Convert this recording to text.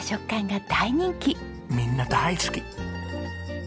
みんな大好き！